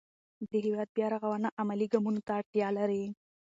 د هېواد بیا رغونه عملي ګامونو ته اړتیا لري.